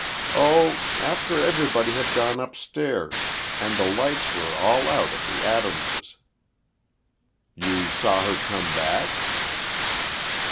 "Oh—after everybody had gone upstairs and the lights were all out at the Adamses." "You saw her come back?"